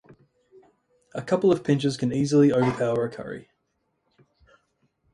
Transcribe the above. A couple of pinches can easily overpower a curry.